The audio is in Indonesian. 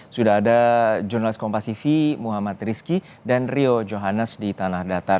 sudah ada jurnalis kompasifi muhammad rizky dan rio johannes di tanah datar